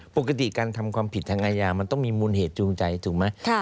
ปกติการทำความผิดทางอาญามันต้องมีมูลเหตุจูงใจถูกไหม